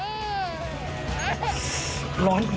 ร้อนอีกร้อนอีก